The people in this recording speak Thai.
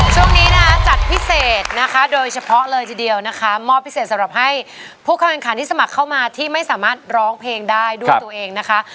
ช่วงนี้นะคะจัดพิเศษนะคะโดยเฉพาะเลยทีเดียวนะคะมอบพิเศษสำหรับให้ผู้เข้าแข่งขันที่สมัครเข้ามาที่ไม่สามารถร้องเพลงได้ด้วยตัวเองนะคะ